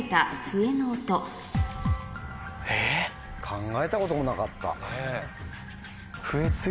考えたこともなかった。